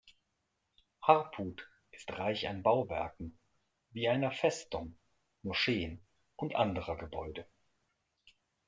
Harput ist reich an Bauwerken, wie einer Festung, Moscheen und anderer Gebäude.